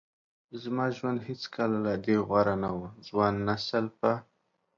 زما ژوند هیڅکله له دې غوره نه و. ځوان نسل په